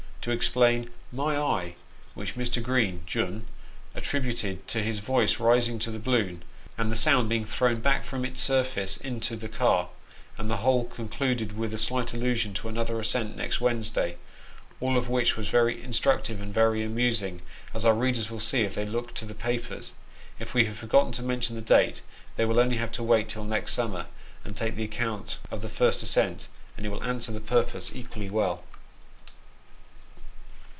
to exclaim, " My eye !" which Mr. Green, jun., attributed to his voice, rising to the balloon, and the sound being thrown back from its surface into the car ; and the whole con New Torture of the Wheel. 97 eluded with a slight allusion to another ascent next Wednesday, all of which was very instructive and very amusing, as our readers will see if they look to the papers. If we have forgotten to mention the date, they have only to wait till next summer, and take the account of the first ascent, and it will answer the purpose equally well.